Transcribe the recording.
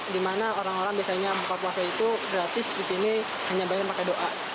di mana orang orang biasanya buka puasa itu gratis disini hanya banyak pake doa